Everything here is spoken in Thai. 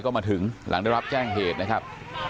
ก็มาถึงหลังได้รับแจ้งเหตุนะครับ